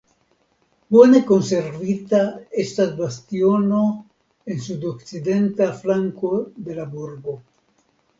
Bone konservita estas bastiono en sudokcidenta flanko de la burgo.